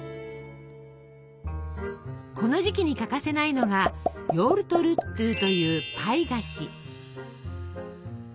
この時期に欠かせないのが「ヨウルトルットゥ」というパイ菓子。